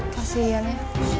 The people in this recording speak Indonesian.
kasih iyan ya